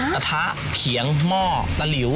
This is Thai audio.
กระทะเขียงหม้อตะหลิว